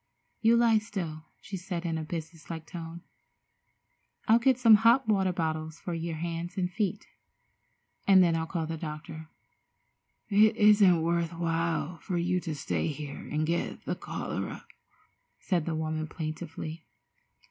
"You lie still," she said in a business like tone. "I'll get some hot water bottles for your hands and feet, and then I'll call the doctor." "It isn't worth while for you to stay here and get the cholera," said the woman plaintively.